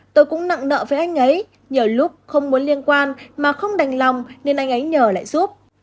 tôi cũng nặng nợ với anh ấy nhờ lúc không muốn liên quan mà không đành lòng nên anh ấy nhờ lại giúp